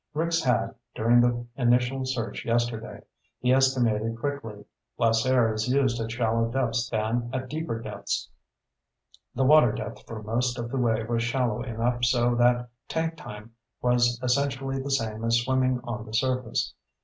Rick's had, during the initial search yesterday. He estimated quickly. Less air is used at shallow depths than at deeper depths. The water depth for most of the way was shallow enough so that tank time was essentially the same as swimming on the surface.